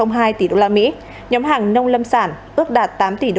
nhóm hàng nông lâm sản ước đạt tám tỷ usd